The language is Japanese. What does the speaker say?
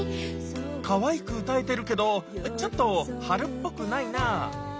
かわいく歌えてるけどちょっと春っぽくないなぁ。